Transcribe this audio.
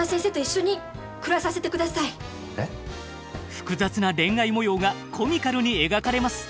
複雑な恋愛模様がコミカルに描かれます。